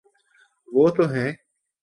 وہ تو ہیں۔